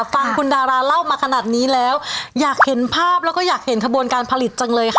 ฟังคุณดาราเล่ามาขนาดนี้แล้วอยากเห็นภาพแล้วก็อยากเห็นขบวนการผลิตจังเลยค่ะ